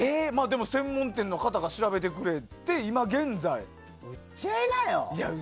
でも専門店の方が調べてくれて売っちゃいなよ。